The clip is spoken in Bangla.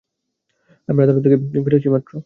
আমরা আদালত থেকে ফিরেছি মাত্র।